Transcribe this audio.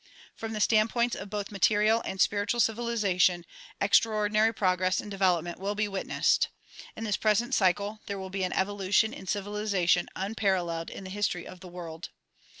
From the standpoints of both material and spiritual civilization extraordinary progress and development will be witnessed. In this present cycle there will be an evolution in civilization unparalleled in the history of the world.